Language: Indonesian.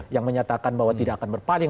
yang menyatakan bahwa tidak akan berpaling